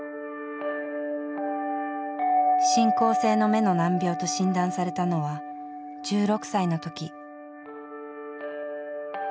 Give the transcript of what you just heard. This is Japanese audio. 進行性の眼の難病と診断されたのは１６歳の時。